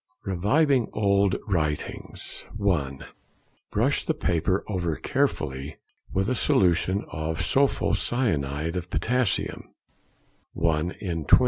Reviving old writings.—(1.) Brush the paper over carefully with a solution of sulpho cyanide of potassium (1 in 20).